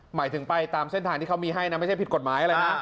หมายถึงไปตามเส้นทางที่เขามีให้นะไม่ใช่ผิดกฎหมายอะไรนะ